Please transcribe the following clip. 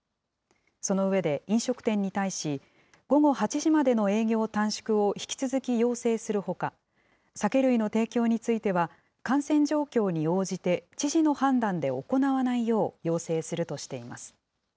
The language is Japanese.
その上で、飲食店に対し、午後８時までの営業短縮を引き続き要請するほか、酒類の提供については、感染状況に応じて知事の判断で行わないよう要請するとしています。